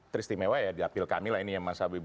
teristimewa ya diapil kami lah ini ya mas abie berbicara